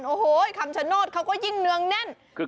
โอ้โหคำชโนธเขาก็ยิ่งเนืองแน่น